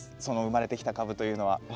その生まれてきた株というのは。